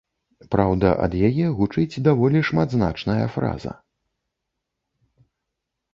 Праўда, ад яе гучыць даволі шматзначная фраза.